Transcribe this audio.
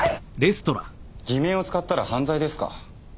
偽名を使ったら犯罪ですか？